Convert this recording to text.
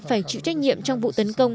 phải chịu trách nhiệm trong vụ tấn công